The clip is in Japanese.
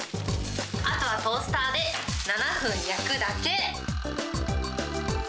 あとはトースターで７分焼くだけ。